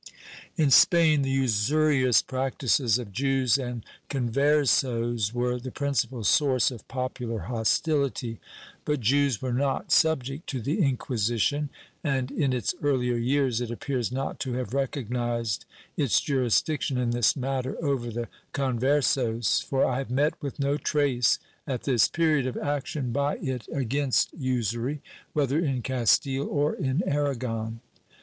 ^ In Spain, the usurious practices of Jews and Conversos were the principal source of popular hostility, but Jews were not sub ject to the Inquisition and, in its earlier years, it appears not to have recognized its jurisdiction in this matter over the Conversos, for I have met with no trace, at this period, of action by it against usury, whether in Castile or in Aragon.